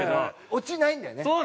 オチないんだよね別に。